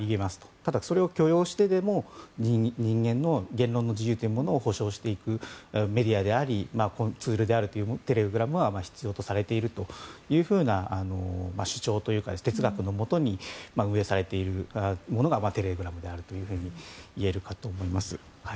ただ、それを許容してでも人間の言論の自由というものを保障していくメディアでありツールであるテレグラムは必要とされているというふうな主張というか哲学のもとに運営されているものがテレグラムであるというふうにいえるかと思います。